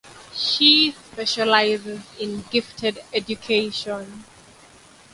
She specialises in gifted education.